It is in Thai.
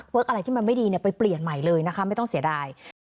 อะไรที่มันไม่ดีไปเปลี่ยนใหม่เลยนะคะไม่ต้องเสียดาย